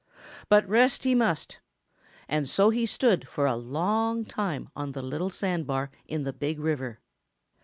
But rest he must, and so he stood for a long time on the little sand bar in the Big River.